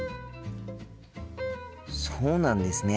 そうなんですね。